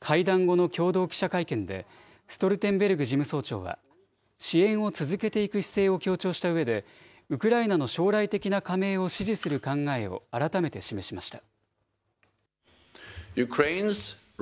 会談後の共同記者会見で、ストルテンベルグ事務総長は支援を続けていく姿勢を強調したうえで、ウクライナの将来的な加盟を指示する考えを改めて示しました。